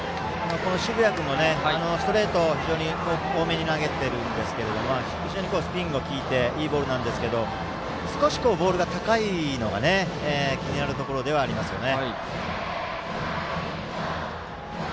この澁谷君もストレートを多めに投げていますがスピンが利いていいボールなんですけど少しボールが高いのが気になるところではありますね。